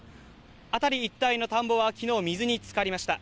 辺り一帯の田んぼは昨日水に浸かりました。